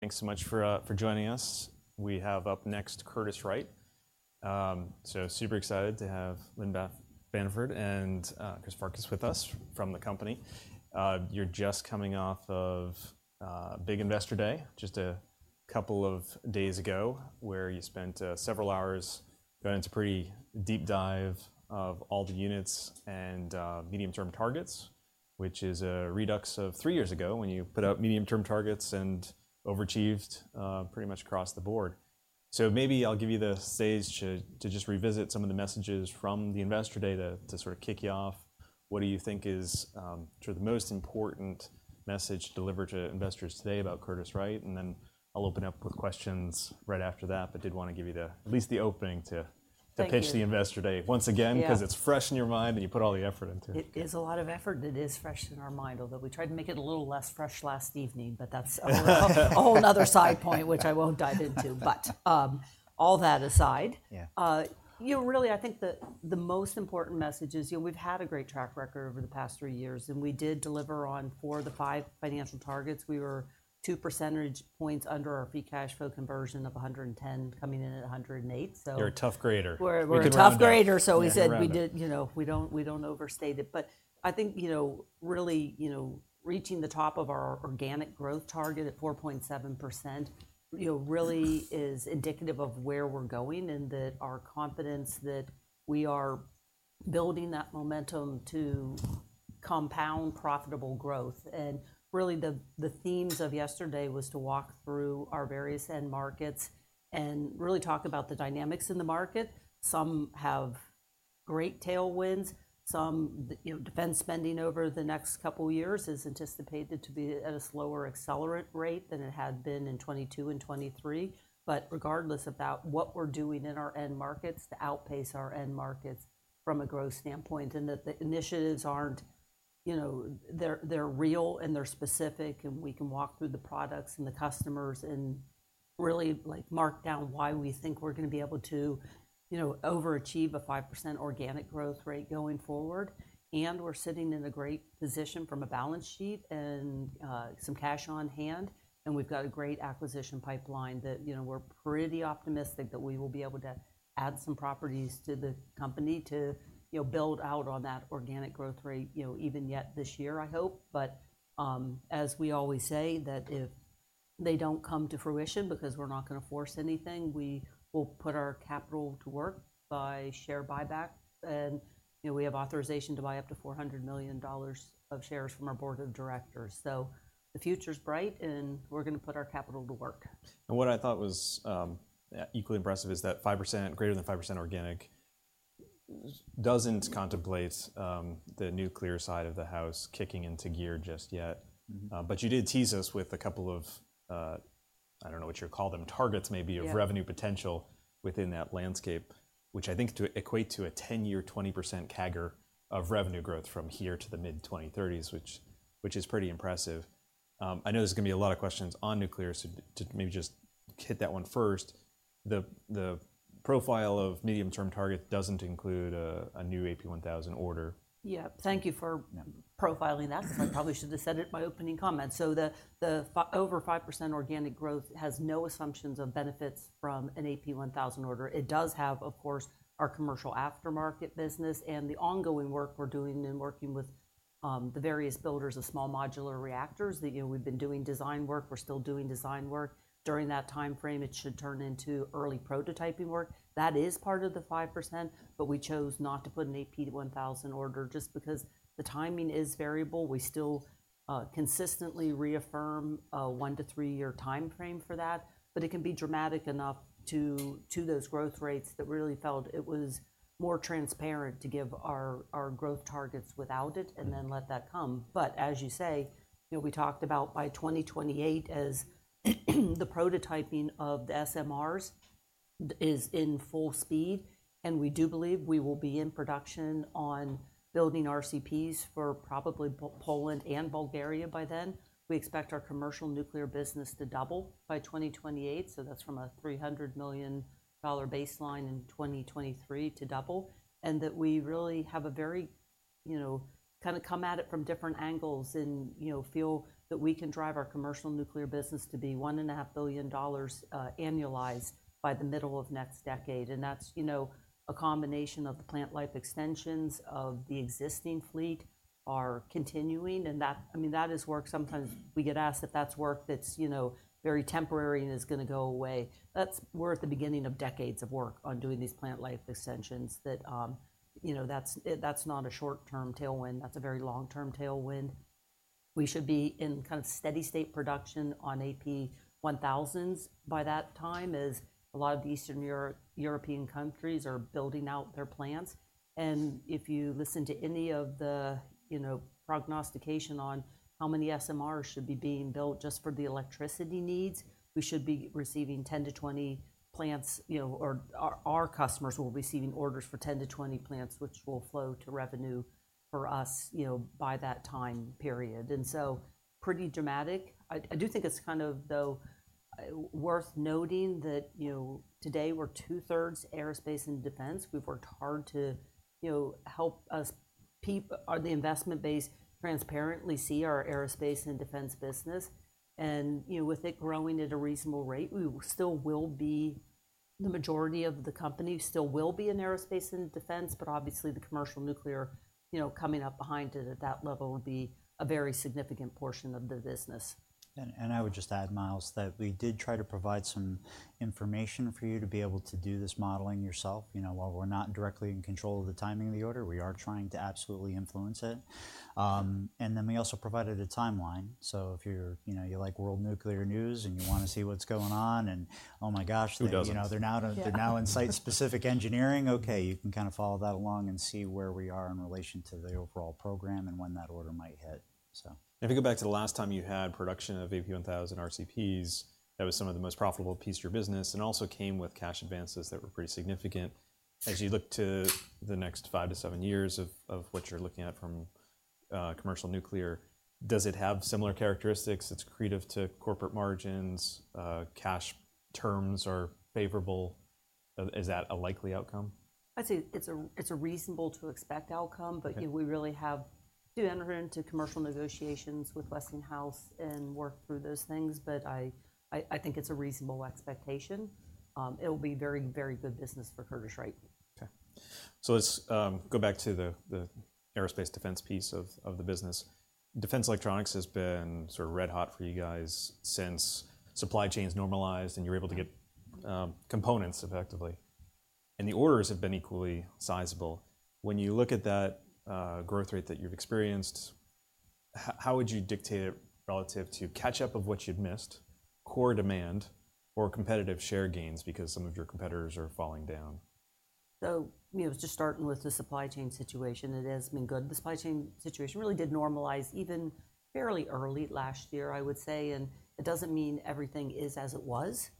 Thanks so much for joining us. We have up next, Curtiss-Wright. So super excited to have Lynn Bamford and Chris Farkas with us from the company. You're just coming off of a big investor day, just a couple of days ago, where you spent several hours going into a pretty deep dive of all the units and medium-term targets, which is a redux of three years ago, when you put out medium-term targets and overachieved pretty much across the board. So maybe I'll give you the stage to just revisit some of the messages from the investor day, to sort of kick you off. What do you think is sort of the most important message delivered to investors today about Curtiss-Wright? And then I'll open up with questions right after that, but did wanna give you at least the opening to- Thank you. To pitch the Investor Day once again because it's fresh in your mind, and you put all the effort into it. It is a lot of effort, and it is fresh in our mind, although we tried to make it a little less fresh last evening, but that's a whole other side point, which I won't dive into. But, all that aside you know, really, I think the most important message is, you know, we've had a great track record over the past three years, and we did deliver on four of the five financial targets. We were 2 percentage points under our free cash flow conversion of 110%, coming in at 108%. You're a tough grader. We're a tough grader. You can round up. So we said we did. Yeah, you can round up. You know, we don't, we don't overstate it. But I think, you know, really, you know, reaching the top of our organic growth target at 4.7%, you know, really is indicative of where we're going, and that our confidence that we are building that momentum to compound profitable growth. And really, the themes of yesterday was to walk through our various end markets and really talk about the dynamics in the market. Some have great tailwinds, some-- You know, defense spending over the next couple of years is anticipated to be at a slower accelerant rate than it had been in 2022 and 2023. But regardless about what we're doing in our end markets, to outpace our end markets from a growth standpoint, and that the initiatives aren't. You know, they're real and they're specific, and we can walk through the products and the customers and really, like, mark down why we think we're gonna be able to, you know, overachieve a 5% organic growth rate going forward. We're sitting in a great position from a balance sheet and some cash on hand, and we've got a great acquisition pipeline that, you know, we're pretty optimistic that we will be able to add some properties to the company to, you know, build out on that organic growth rate, you know, even yet this year, I hope. But as we always say, that if they don't come to fruition because we're not gonna force anything, we will put our capital to work by share buyback. You know, we have authorization to buy up to $400 million of shares from our board of directors. So the future's bright, and we're gonna put our capital to work. What I thought was equally impressive is that 5%, greater than 5% organic, doesn't contemplate the nuclear side of the house kicking into gear just yet. But you did tease us with a couple of, I don't know what you call them, targets maybe of revenue potential within that landscape, which I think to equate to a 10-year, 20% CAGR of revenue growth from here to the mid-2030s, which is pretty impressive. I know there's gonna be a lot of questions on nuclear, so to maybe just hit that one first, the profile of medium-term target doesn't include a new AP1000 order. Yeah, thank you for profiling that. I probably should have said it in my opening comments. So the over 5% organic growth has no assumptions of benefits from an AP1000 order. It does have, of course, our commercial aftermarket business and the ongoing work we're doing in working with the various builders of small modular reactors, that, you know, we've been doing design work, we're still doing design work. During that timeframe, it should turn into early prototyping work. That is part of the 5%, but we chose not to put an AP1000 order just because the timing is variable. We still consistently reaffirm a one to three-year timeframe for that, but it can be dramatic enough to those growth rates that really felt it was more transparent to give our growth targets without it, and then let that come. But as you say, you know, we talked about by 2028, as the prototyping of the SMRs is in full speed, and we do believe we will be in production on building RCPs for probably Poland and Bulgaria by then. We expect our commercial nuclear business to double by 2028, so that's from a $300 million baseline in 2023 to double. And that we really have a very, you know... kind of come at it from different angles and, you know, feel that we can drive our commercial nuclear business to be $1.5 billion, annualized by the middle of next decade. And that's, you know, a combination of the plant life extensions of the existing fleet are continuing, and that, I mean, that is work. Sometimes we get asked if that's work that's, you know, very temporary and is gonna go away. That's, we're at the beginning of decades of work on doing these plant life extensions that, you know, that's, that's not a short-term tailwind, that's a very long-term tailwind. We should be in kind of steady state production on AP1000s by that time, as a lot of the Eastern European countries are building out their plants. And if you listen to any of the, you know, prognostication on how many SMRs should be being built just for the electricity needs, we should be receiving 10-20 plants, you know, or our, our customers will be receiving orders for 10-20 plants, which will flow to revenue for us, you know, by that time period. And so pretty dramatic. I, I do think it's kind of, though, worth noting that, you know, today we're two-thirds aerospace and defense. We've worked hard to, you know, help the investment base transparently see our aerospace and defense business. And, you know, with it growing at a reasonable rate, we still will be, the majority of the company still will be in aerospace and defense, but obviously, the commercial nuclear, you know, coming up behind it at that level would be a very significant portion of the business. And I would just add, Miles, that we did try to provide some information for you to be able to do this modeling yourself. You know, while we're not directly in control of the timing of the order, we are trying to absolutely influence it. And then we also provided a timeline, so if you're-- you know, you like World Nuclear News, and you wanna see what's going on, and, oh, my gosh. Who doesn't? You know, they're now to. Yeah. They're now in site-specific engineering. Okay, you can kind of follow that along and see where we are in relation to the overall program and when that order might hit, so. If you go back to the last time you had production of AP1000 RCPs, that was some of the most profitable piece of your business and also came with cash advances that were pretty significant. As you look to the next five to seven years of what you're looking at from commercial nuclear, does it have similar characteristics that's accretive to corporate margins, cash terms are favorable? Is that a likely outcome? I'd say it's a reasonable to expect outcome. Okay. But, you know, we really have to enter into commercial negotiations with Westinghouse and work through those things, but I think it's a reasonable expectation. It'll be very, very good business for Curtiss-Wright. Okay. So let's go back to the aerospace defense piece of the business. Defense electronics has been sort of red hot for you guys since supply chains normalized, and you were able to get components effectively, and the orders have been equally sizable. When you look at that growth rate that you've experienced, how would you dictate it relative to catch up of what you'd missed, core demand, or competitive share gains because some of your competitors are falling down? So, you know, just starting with the supply chain situation, it has been good. The supply chain situation really did normalize even fairly early last year, I would say, and it doesn't mean everything is as it was.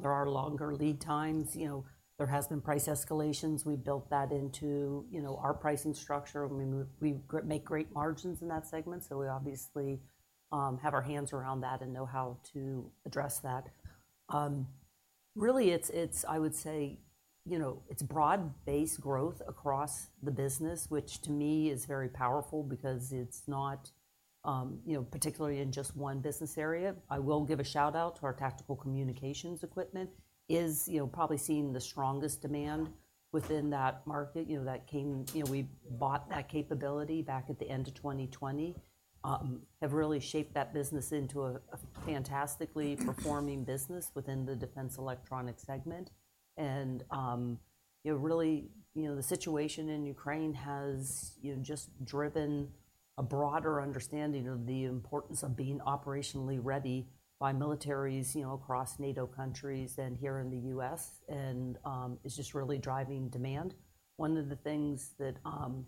There are longer lead times, you know, there has been price escalations. We've built that into, you know, our pricing structure, and we make great margins in that segment, so we obviously have our hands around that and know how to address that. Really, it's I would say, you know, it's broad-based growth across the business, which to me is very powerful because it's not, you know, particularly in just one business area. I will give a shout-out to our tactical communications equipment is, you know, probably seeing the strongest demand within that market. You know, we bought that capability back at the end of 2020. We have really shaped that business into a fantastically performing business within the Defense Electronics segment. And, you know, really, you know, the situation in Ukraine has, you know, just driven a broader understanding of the importance of being operationally ready by militaries, you know, across NATO countries and here in the U.S., and, it's just really driving demand. One of the things that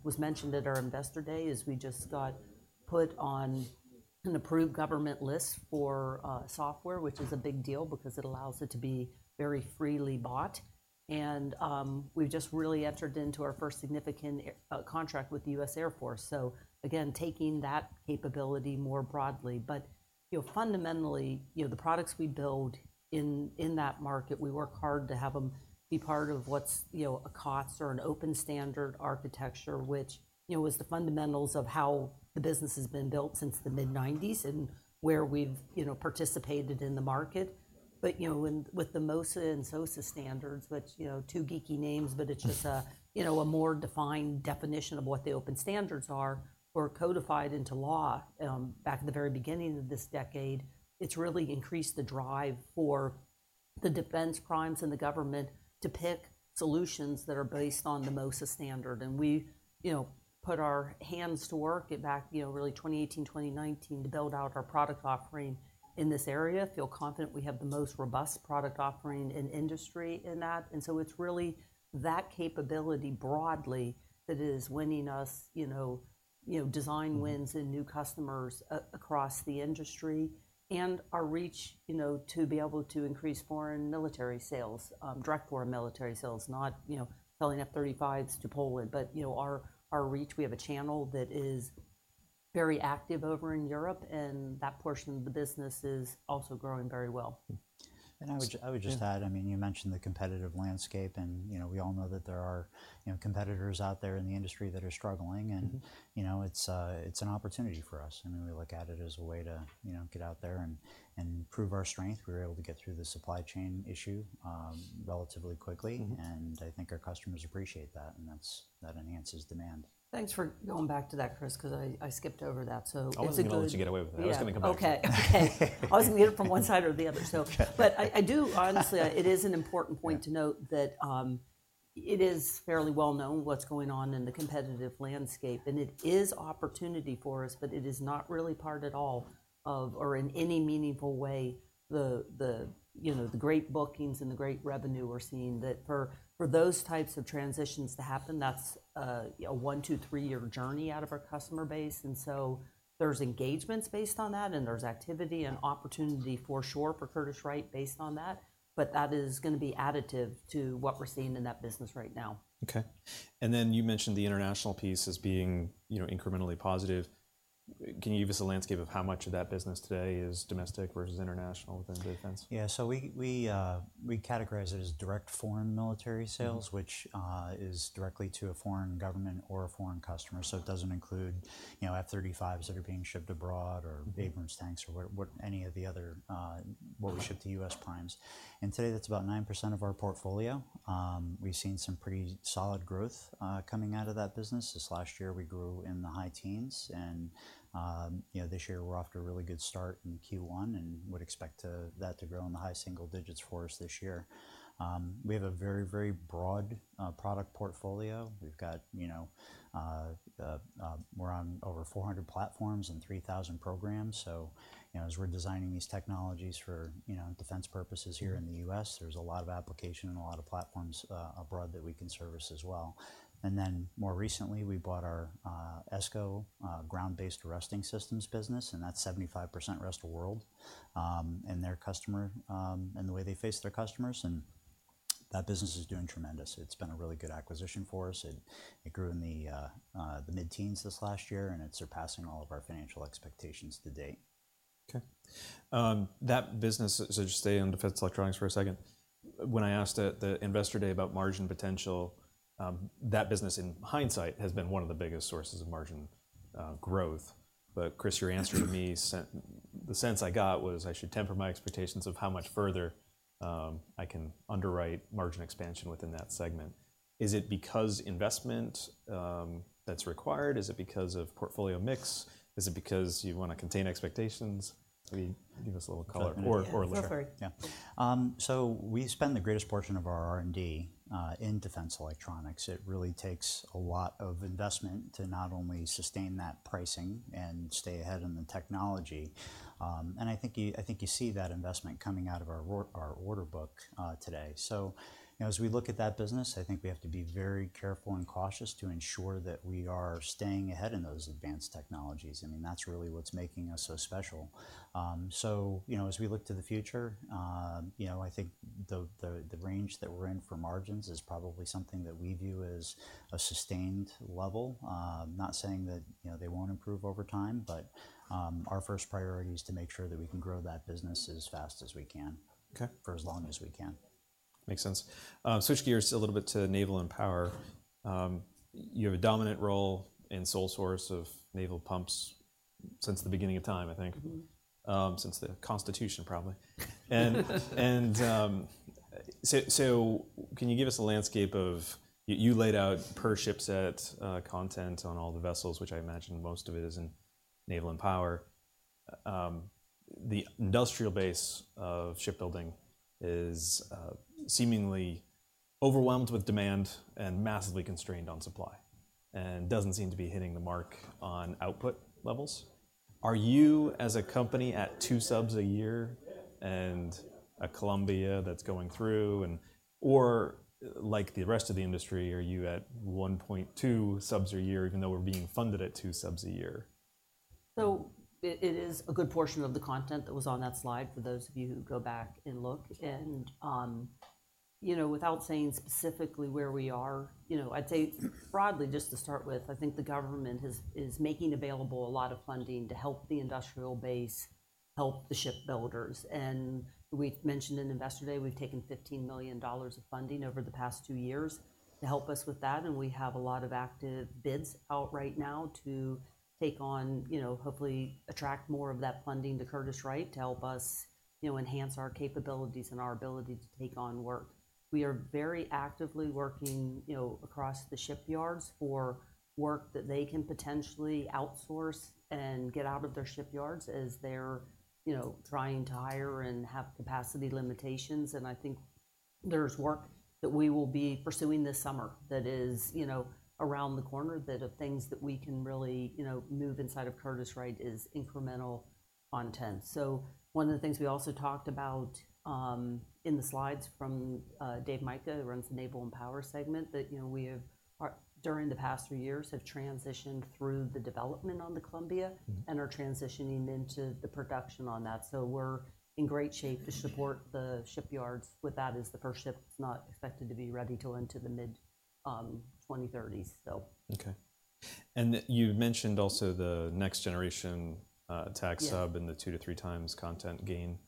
was mentioned at our Investor Day is we just got put on an approved government list for software, which is a big deal because it allows it to be very freely bought. And, we've just really entered into our first significant contract with the U.S. Air Force, so again, taking that capability more broadly. But, you know, fundamentally, you know, the products we build in that market, we work hard to have them be part of what's, you know, a COTS or an open standard architecture, which, you know, was the fundamentals of how the business has been built since the mid-nineties and where we've, you know, participated in the market. But, you know, with the MOSA and SOSA standards, which, you know, two geeky names, but it's just a, you know, a more defined definition of what the open standards are, were codified into law back at the very beginning of this decade. It's really increased the drive for the defense primes and the government to pick solutions that are based on the MOSA standard. And we, you know, put our hands to work back, you know, really 2018, 2019, to build out our product offering in this area. Feel confident we have the most robust product offering in industry in that, and so it's really that capability broadly that is winning us, you know, you know, design wins and new customers across the industry. And our reach, you know, to be able to increase foreign military sales, direct foreign military sales, not, you know, selling F-35s to Poland, but, you know, our, our reach, we have a channel that is very active over in Europe, and that portion of the business is also growing very well. And I would just add, I mean, you mentioned the competitive landscape, and, you know, we all know that there are, you know, competitors out there in the industry that are struggling you know, it's an opportunity for us, and we look at it as a way to, you know, get out there and prove our strength. We were able to get through the supply chain issue relatively quickly. I think our customers appreciate that, and that enhances demand. Thanks for going back to that, Chris, because I skipped over that, so it's a good. I wasn't gonna let you get away with that. Yeah. I was gonna come back to it. Okay. Okay. I was gonna get it from one side or the other, but I do... Honestly, it is an important point to note that it is fairly well known what's going on in the competitive landscape, and it is opportunity for us, but it is not really part at all of, or in any meaningful way, the you know the great bookings and the great revenue we're seeing. That for those types of transitions to happen, that's a one, two, three-year journey out of our customer base, and so there's engagements based on that, and there's activity and opportunity for sure, for Curtiss-Wright, based on that, but that is gonna be additive to what we're seeing in that business right now. Okay. You mentioned the international piece as being, you know, incrementally positive.... Can you give us a landscape of how much of that business today is domestic versus international within defense? Yeah, so we categorize it as direct foreign military sales which is directly to a foreign government or a foreign customer. So it doesn't include, you know, F-35s that are being shipped abroad or Abrams tanks or what, what, any of the other, what we ship to U.S. primes. And today, that's about 9% of our portfolio. We've seen some pretty solid growth coming out of that business. This last year, we grew in the high teens, and, you know, this year we're off to a really good start in Q1 and would expect that to grow in the high single digits for us this year. We have a very, very broad product portfolio. We've got, you know, we're on over 400 platforms and 3,000 programs. So, you know, as we're designing these technologies for, you know, defense purposes here in the U.S., there's a lot of application and a lot of platforms abroad that we can service as well. And then, more recently, we bought our ESCO ground-based arresting systems business, and that's 75% rest of world. And their customer, and the way they face their customers, and that business is doing tremendous. It's been a really good acquisition for us, it grew in the mid-teens this last year, and it's surpassing all of our financial expectations to date. Okay. That business, so just stay on defense electronics for a second. When I asked at the investor day about margin potential, that business, in hindsight, has been one of the biggest sources of margin growth. But Chris, your answer to me sent the sense I got was I should temper my expectations of how much further I can underwrite margin expansion within that segment. Is it because investment that's required? Is it because of portfolio mix? Is it because you wanna contain expectations? So can you give us a little color. Go for it. Yeah. So we spend the greatest portion of our R&D in defense electronics. It really takes a lot of investment to not only sustain that pricing and stay ahead on the technology, and I think you see that investment coming out of our order book today. So, you know, as we look at that business, I think we have to be very careful and cautious to ensure that we are staying ahead in those advanced technologies. I mean, that's really what's making us so special. So, you know, as we look to the future, you know, I think the range that we're in for margins is probably something that we view as a sustained level. Not saying that, you know, they won't improve over time, but our first priority is to make sure that we can grow that business as fast as we can for as long as we can. Makes sense. Switch gears a little bit to naval and power. You have a dominant role in sole source of naval pumps since the beginning of time, I think. Since the Constitution, probably. So, can you give us a landscape of... You laid out per shipset content on all the vessels, which I imagine most of it is in naval and power. The industrial base of shipbuilding is seemingly overwhelmed with demand and massively constrained on supply, and doesn't seem to be hitting the mark on output levels. Are you, as a company, at two subs a year, and a Columbia that's going through and-- or like the rest of the industry, are you at 1.2 subs a year, even though we're being funded at two subs a year? So it is a good portion of the content that was on that slide, for those of you who go back and look. You know, without saying specifically where we are, you know, I'd say, broadly, just to start with, I think the government is making available a lot of funding to help the industrial base, help the shipbuilders. We've mentioned in Investor Day, we've taken $15 million of funding over the past two years to help us with that, and we have a lot of active bids out right now to take on, you know, hopefully attract more of that funding to Curtiss-Wright, to help us, you know, enhance our capabilities and our ability to take on work. We are very actively working, you know, across the shipyards for work that they can potentially outsource and get out of their shipyards as they're, you know, trying to hire and have capacity limitations. And I think there's work that we will be pursuing this summer that is, you know, around the corner, that of things that we can really, you know, move inside of Curtiss-Wright is incremental content. So one of the things we also talked about in the slides from Dave Mica, who runs the naval and power segment, that, you know, we have during the past few years have transitioned through the development on the Columbia and are transitioning into the production on that. So we're in great shape to support the shipyards with that, as the first ship is not expected to be ready till into the mid-2030s, so. Okay. You mentioned also the next generation, attack sub and the two to three times content gain.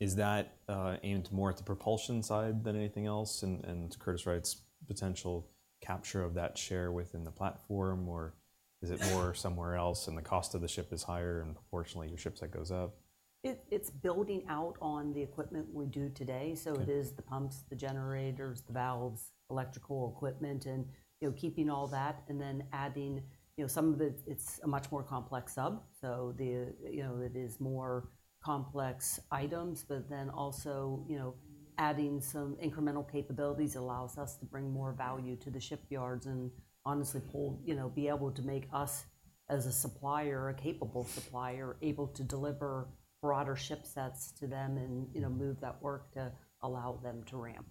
Is that aimed more at the propulsion side than anything else, and Curtiss-Wright's potential capture of that share within the platform, or is it more somewhere else, and the cost of the ship is higher, and fortunately, your shipset goes up? It's building out on the equipment we do today. So it is the pumps, the generators, the valves, electrical equipment, and, you know, keeping all that and then adding, you know, some of it, it's a much more complex sub, so the, you know, it is more complex items. But then also, you know, adding some incremental capabilities allows us to bring more value to the shipyards and honestly, pull, you know, be able to make us, as a supplier, a capable supplier, able to deliver broader shipsets to them and, you know, move that work to allow them to ramp.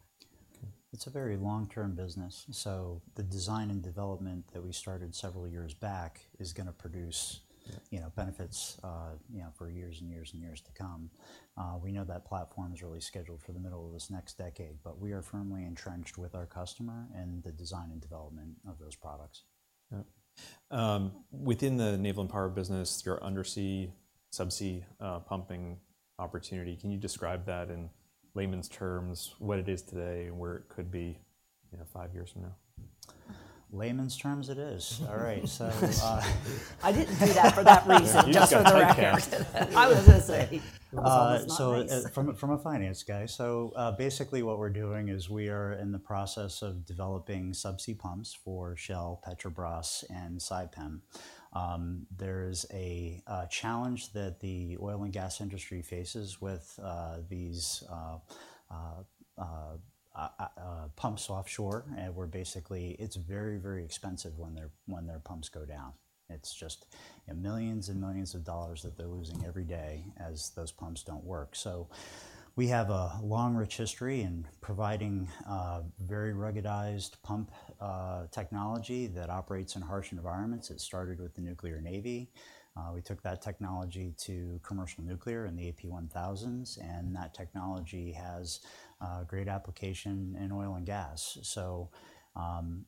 It's a very long-term business, so the design and development that we started several years back is gonna produce, you know, benefits, you know, for years and years and years to come. We know that platform is really scheduled for the middle of this next decade, but we are firmly entrenched with our customer and the design and development those products. Yeah. Within the naval and power business, your undersea, subsea, pumping opportunity, can you describe that in layman's terms, what it is today and where it could be, you know, five years from now? Layman's terms it is. All right, so, I didn't do that for that reason, just for the record. You've got a track record. I was gonna say, it was almost not nice. From a finance guy, basically what we're doing is we are in the process of developing subsea pumps for Shell, Petrobras, and Saipem. There's a challenge that the oil and gas industry faces with these pumps offshore, where basically it's very, very expensive when their pumps go down. It's just, you know, millions and millions of dollars that they're losing every day as those pumps don't work. So we have a long, rich history in providing very ruggedized pump technology that operates in harsh environments. It started with the nuclear navy. We took that technology to commercial nuclear and the AP1000s, and that technology has great application in oil and gas. So,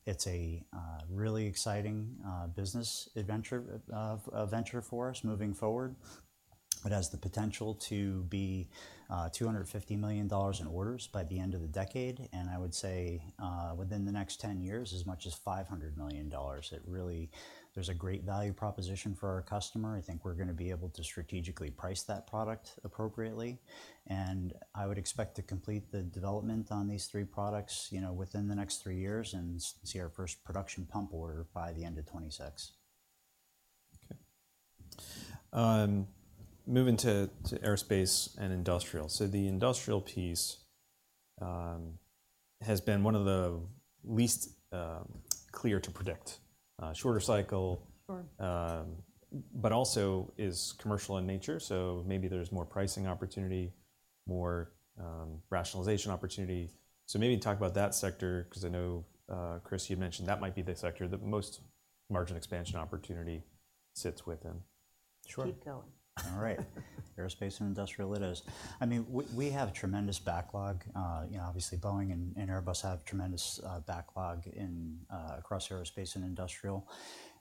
it's a really exciting business venture for us moving forward. It has the potential to be $250 million in orders by the end of the decade, and I would say within the next 10 years, as much as $500 million. It really... There's a great value proposition for our customer. I think we're gonna be able to strategically price that product appropriately, and I would expect to complete the development on these three products, you know, within the next three years and see our first production pump order by the end of 2026. Okay. Moving to aerospace and industrial. So the industrial piece has been one of the least clear to predict. Shorter cycle but also is commercial in nature, so maybe there's more pricing opportunity, more rationalization opportunity. So maybe talk about that sector, 'cause I know, Chris, you'd mentioned that might be the sector that most margin expansion opportunity sits within. Sure. Keep going. All right. Aerospace and industrial it is. I mean, we, we have tremendous backlog. You know, obviously, Boeing and Airbus have tremendous backlog in across aerospace and industrial,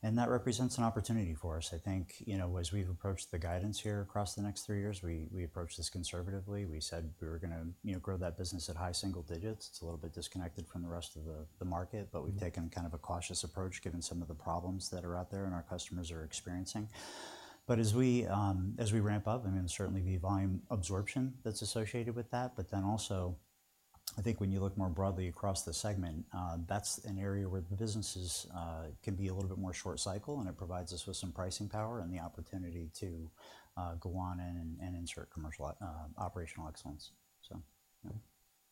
and that represents an opportunity for us. I think, you know, as we've approached the guidance here across the next three years, we, we approached this conservatively. We said we were gonna, you know, grow that business at high single digits. It's a little bit disconnected from the rest of the market, but we've taken kind of a cautious approach, given some of the problems that are out there and our customers are experiencing. But as we ramp up, I mean, certainly the volume absorption that's associated with that, but then also, I think when you look more broadly across the segment, that's an area where the businesses can be a little bit more short cycle, and it provides us with some pricing power and the opportunity to go on and insert commercial operational excellence, so.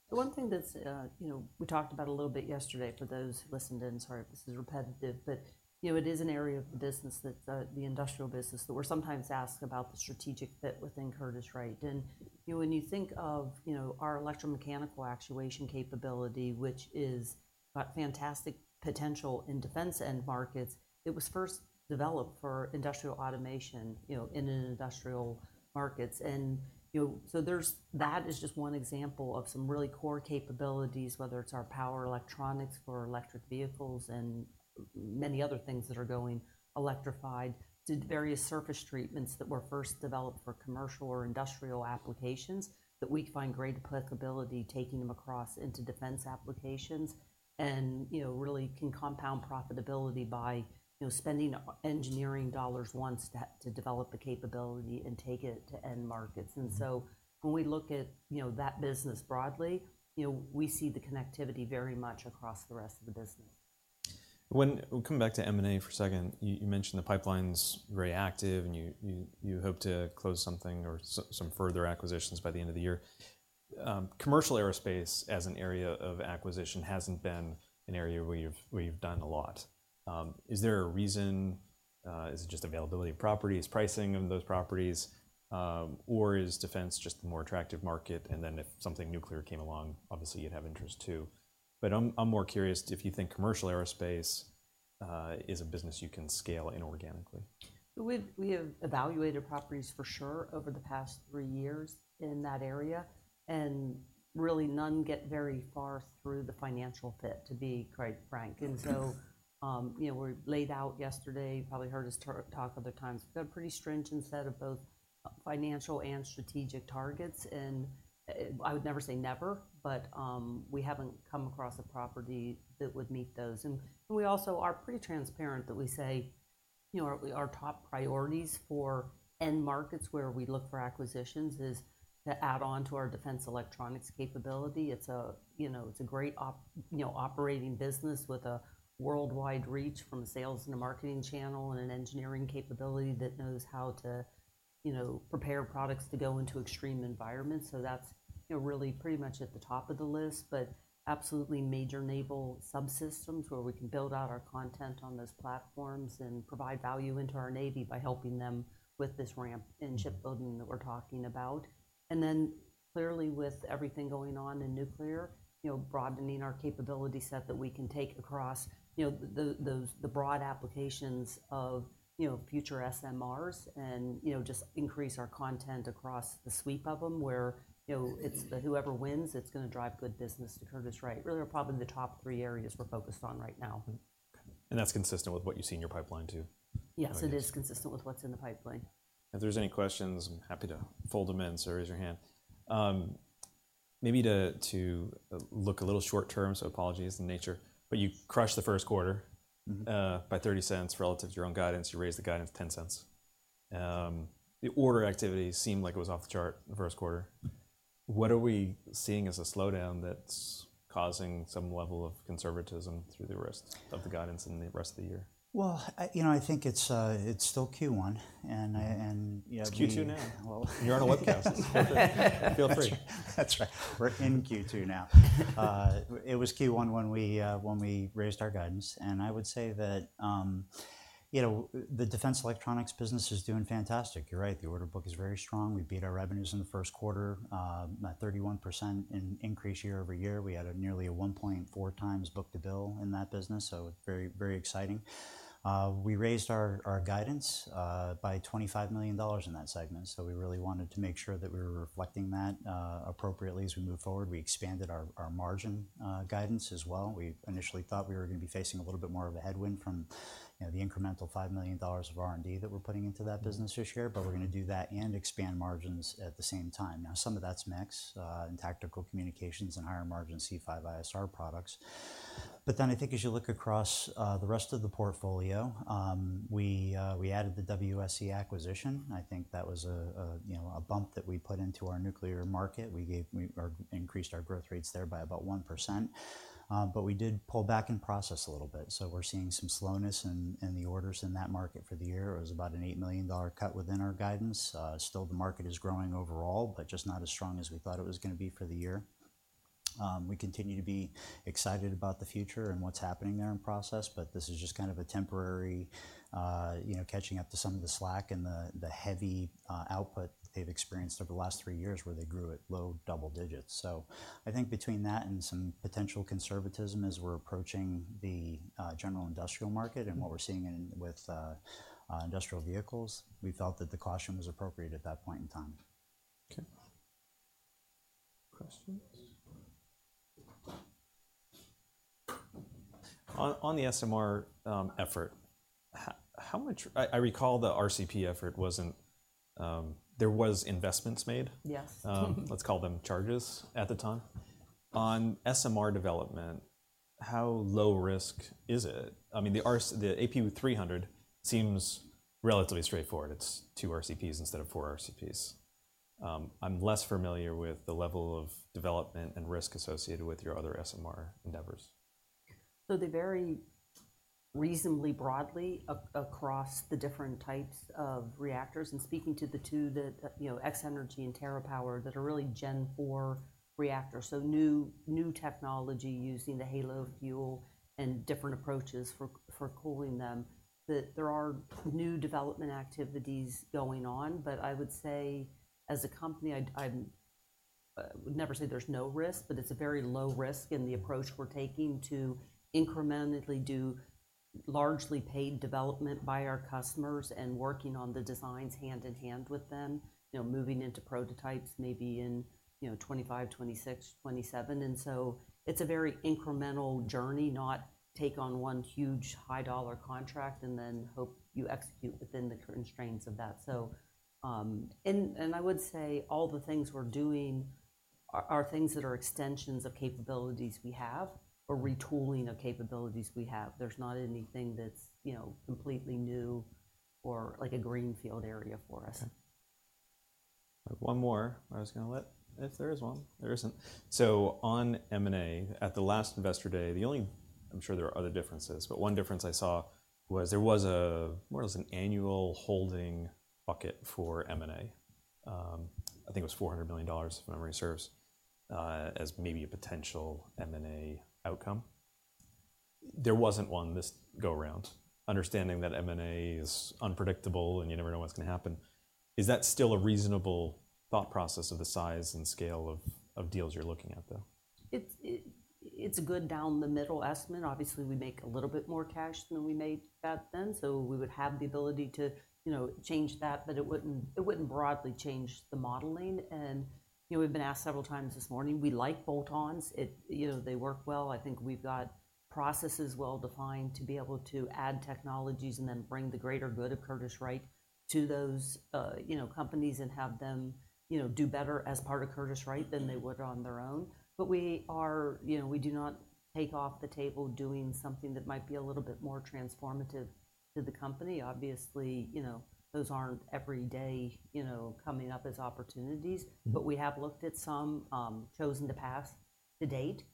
The one thing that's, you know, we talked about a little bit yesterday, for those who listened in. Sorry if this is repetitive, but, you know, it is an area of the business, the industrial business, that we're sometimes asked about the strategic fit within Curtiss-Wright. And, you know, when you think of, you know, our electromechanical actuation capability, which is a fantastic potential in defense end markets, it was first developed for industrial automation, you know, in an industrial markets. And, you know, so there's that. That is just one example of some really core capabilities, whether it's our power electronics for electric vehicles and many other things that are going electrified, to various surface treatments that were first developed for commercial or industrial applications, that we find great applicability taking them across into defense applications. You know, really can compound profitability by, you know, spending engineering dollars once to develop the capability and take it to end markets. So when we look at, you know, that business broadly, you know, we see the connectivity very much across the rest of the business. We'll come back to M&A for a second. You mentioned the pipeline's very active, and you hope to close something or some further acquisitions by the end of the year. Commercial aerospace, as an area of acquisition, hasn't been an area where you've done a lot. Is there a reason? Is it just availability of properties, pricing of those properties, or is defense just the more attractive market, and then if something nuclear came along, obviously you'd have interest, too? But I'm more curious if you think commercial aerospace is a business you can scale inorganically. We have evaluated properties for sure over the past three years in that area, and really, none get very far through the financial fit, to be quite frank. So, you know, we laid out yesterday, you probably heard us talk other times, we've got a pretty stringent set of both financial and strategic targets. I would never say never, but, we haven't come across a property that would meet those. And we also are pretty transparent that we say, you know, our top priorities for end markets where we look for acquisitions is to add on to our defense electronics capability. It's a great operating business with a worldwide reach from a sales and a marketing channel and an engineering capability that knows how to, you know, prepare products to go into extreme environments. So that's, you know, really pretty much at the top of the list, but absolutely major naval subsystems, where we can build out our content on those platforms and provide value into our Navy by helping them with this ramp in shipbuilding that we're talking about. And then clearly, with everything going on in nuclear, you know, broadening our capability set that we can take across, you know, the broad applications of, you know, future SMRs and, you know, just increase our content across the suite of them, where, you know, it's the whoever wins, it's gonna drive good business to Curtiss-Wright, really are probably the top three areas we're focused on right now. That's consistent with what you see in your pipeline, too? Yes, it is consistent with what's in the pipeline. If there's any questions, I'm happy to fold them in, so raise your hand. Maybe to look a little short-term, so apologies in nature, but you crushed the first quarter by $0.30 relative to your own guidance. You raised the guidance $0.10. The order activity seemed like it was off the chart the first quarter. What are we seeing as a slowdown that's causing some level of conservatism through the rest of the guidance in the rest of the year? Well, you know, I think it's still Q1. It's Q2 now. Well. You're on a webcast. Feel free. That's right. We're in Q2 now. It was Q1 when we raised our guidance, and I would say that, you know, the defense electronics business is doing fantastic. You're right, the order book is very strong. We beat our revenues in the first quarter by 31% increase year-over-year. We had nearly a 1.4x book-to-bill in that business, so very, very exciting. We raised our guidance by $25 million in that segment, so we really wanted to make sure that we were reflecting that appropriately as we move forward. We expanded our margin guidance as well. We initially thought we were gonna be facing a little bit more of a headwind from, you know, the incremental $5 million of R&D that we're putting into that business this year, but we're gonna do that and expand margins at the same time. Now, some of that's mix in tactical communications and higher-margin C5ISR products. But then I think as you look across the rest of the portfolio, we added the WSC acquisition, and I think that was a, you know, a bump that we put into our nuclear market. We gave or increased our growth rates there by about 1%. But we did pull back in process a little bit, so we're seeing some slowness in the orders in that market for the year. It was about an $8 million cut within our guidance. Still the market is growing overall, but just not as strong as we thought it was gonna be for the year. We continue to be excited about the future and what's happening there in process, but this is just kind of a temporary, you know, catching up to some of the slack in the heavy output they've experienced over the last three years, where they grew at low double digits. So I think between that and some potential conservatism as we're approaching the general industrial market and what we're seeing in with industrial vehicles, we felt that the caution was appropriate at that point in time. Okay. Questions? On the SMR effort, how much... I recall the RCP effort wasn't, there was investments made? Yes. Let's call them charges at the time. On SMR development, how low risk is it? I mean, the AP300 seems relatively straightforward. It's 2 RCPs instead of 4 RCPs. I'm less familiar with the level of development and risk associated with your other SMR endeavors. So they vary reasonably broadly across the different types of reactors. And speaking to the two that, you know, X-energy and TerraPower, that are really Gen IV reactors, so new technology using the HALEU fuel and different approaches for cooling them, that there are new development activities going on. But I would say, as a company, I would never say there's no risk, but it's a very low risk in the approach we're taking to incrementally do largely paid development by our customers and working on the designs hand in hand with them. You know, moving into prototypes maybe in, you know, 2025, 2026, 2027. And so it's a very incremental journey, not take on one huge high-dollar contract and then hope you execute within the constraints of that. So, I would say all the things we're doing are things that are extensions of capabilities we have or retooling of capabilities we have. There's not anything that's, you know, completely new or like a greenfield area for us. Okay. One more. I was gonna let... If there is one. There isn't. So on M&A, at the last Investor Day, the only—I'm sure there are other differences, but one difference I saw was there was a, what was an annual holding bucket for M&A. I think it was $400 million, if memory serves, as maybe a potential M&A outcome. There wasn't one this go around. Understanding that M&A is unpredictable, and you never know what's gonna happen, is that still a reasonable thought process of the size and scale of, of deals you're looking at, though? It's a good down the middle estimate. Obviously, we make a little bit more cash than we made back then, so we would have the ability to, you know, change that, but it wouldn't broadly change the modeling. And, you know, we've been asked several times this morning, we like bolt-ons. It, you know, they work well. I think we've got processes well defined to be able to add technologies and then bring the greater good of Curtiss-Wright to those, you know, companies and have them, you know, do better as part of Curtiss-Wright than they would on their own. But we are... You know, we do not take off the table doing something that might be a little bit more transformative to the company. Obviously, you know, those aren't every day, you know, coming up as opportunities. But we have looked at some, chosen to pass to date.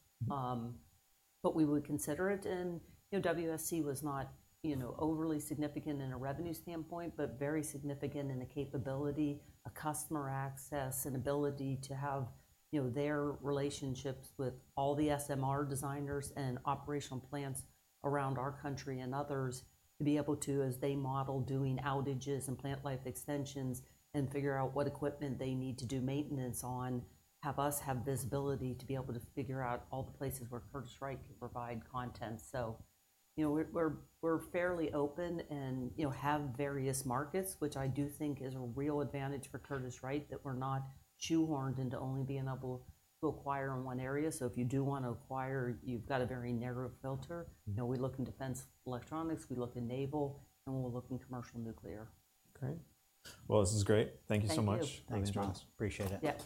But we would consider it. And, you know, WSC was not, you know, overly significant in a revenue standpoint, but very significant in the capability, a customer access, an ability to have, you know, their relationships with all the SMR designers and operational plants around our country and others, to be able to, as they model doing outages and plant life extensions and figure out what equipment they need to do maintenance on, have us have visibility to be able to figure out all the places where Curtiss-Wright can provide content. So, you know, we're fairly open and, you know, have various markets, which I do think is a real advantage for Curtiss-Wright, that we're not shoehorned into only being able to acquire in one area. So if you do want to acquire, you've got a very narrow filter. You know, we look in defense electronics, we look in naval, and we look in commercial nuclear. Okay. Well, this is great. Thank you so much. Thank you. Thanks so much. Appreciate it. Yeah.